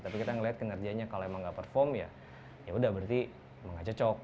tapi kita ngelihat kinerjanya kalau emang nggak perform ya yaudah berarti emang gak cocok